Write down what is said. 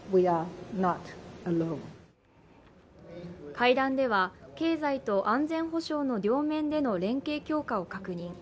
会談では経済と安全保障の両面での連携強化を確認。